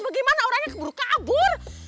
bagaimana orangnya keburu kabur